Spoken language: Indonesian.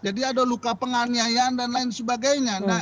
jadi ada luka penganiayaan dan lain sebagainya